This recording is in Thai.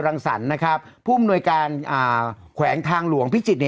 รังสรรค์ผู้มนวยการแขวงทางหลวงพิจิตร